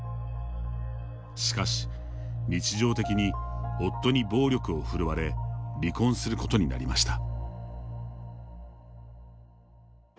しかし、日常的に夫に暴力を振るわれ離婚することになりました。